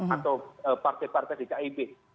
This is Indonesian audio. atau partai partai di kib